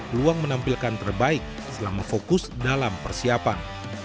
peluang menampilkan terbaik selama fokus dalam persiapan